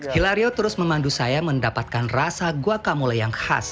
hilario terus memandu saya mendapatkan rasa guacamole yang khas